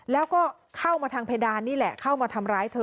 แล้วก็เข้ามาทางเพดานนี่แหละเข้ามาทำร้ายเธอ